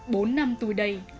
bốn năm tuổi đầy